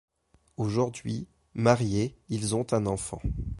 Aujourd'hui, mariés, ils ont un enfant.